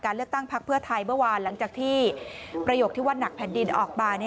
เลือกตั้งพักเพื่อไทยเมื่อวานหลังจากที่ประโยคที่ว่านักแผ่นดินออกมา